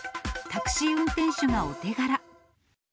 タクシー運転手がお手柄。